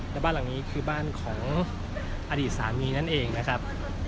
และบ้านหลังนี้คือบ้านของอดีตสามีนั่นเองนะครับ